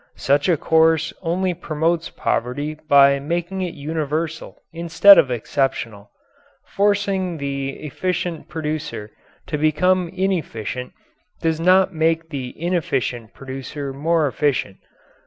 Such a course only promotes poverty by making it universal instead of exceptional. Forcing the efficient producer to become inefficient does not make the inefficient producer more efficient.